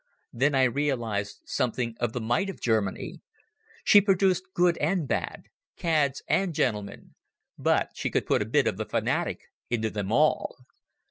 Then I realized something of the might of Germany. She produced good and bad, cads and gentlemen, but she could put a bit of the fanatic into them all.